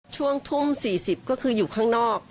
ช่วงทุ่ม๔๐ก็คืออยู่ข้างนอก